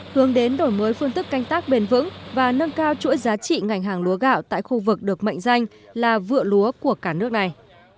hướng đến đổi mới phương tức canh tác bền vững và nâng cao chuỗi giá trị ngành hàng lúa gạo tại khu vực được mệnh danh là vựa lúa của cả nước này